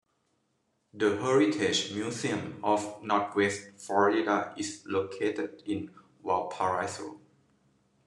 The Heritage Museum of Northwest Florida is located in Valparaiso.